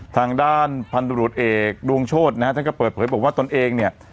ทางด้านพันธุรกิจเอกดวงโชธนะฮะท่านก็เปิดเผยบอกว่าตนเองเนี่ย